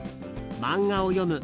漫画を読む